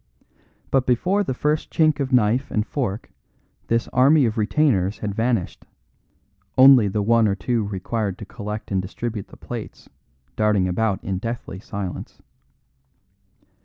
But before the first chink of knife and fork this army of retainers had vanished, only the one or two required to collect and distribute the plates darting about in deathly silence.